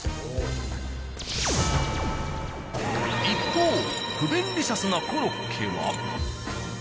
一方不便利シャスなコロッケは。